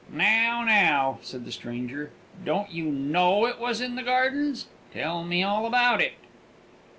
"Now, now," said the stranger, "don't you know it was in the gardens? Tell me all about it."